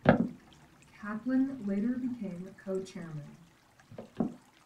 Kaplan later became co-chairman.